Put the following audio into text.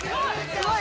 すごい！